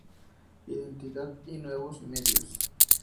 Identidad y nuevos medios.